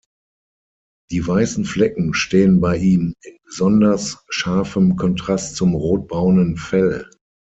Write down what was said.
Die weißen Flecken stehen bei ihm in besonders scharfem Kontrast zum rotbraunen Fell.